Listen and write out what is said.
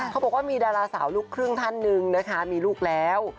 เขาบอกว่ามีดาราสาวลูกครึ่งท่านหนึ่งนะคะมีลูกแล้ว